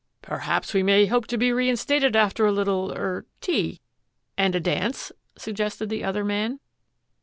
"Perhaps we may hope to be reinstated after a little er tea and a dance?" suggested the other man.